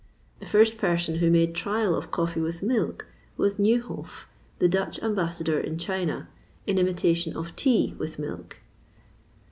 The first person who made trial of coffee with milk was Nieuhoff, the Dutch ambassador in China, in imitation of tea with milk.